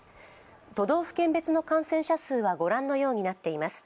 都道府県別の感染者数は御覧のようになっています。